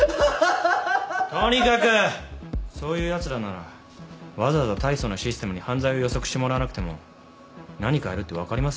とにかくそういうやつらならわざわざ大層なシステムに犯罪を予測してもらわなくても何かやるって分かりますよね？